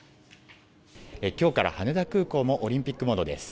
今日から羽田空港もオリンピックモードです。